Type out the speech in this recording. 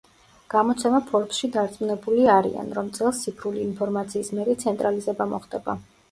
გამოცემა „ფორბსში“ დარწმუნებული არიან, რომ წელს ციფრული ინფორმაციის მეტი ცენტრალიზება მოხდება.